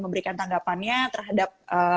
memberikan tanggapannya terhadap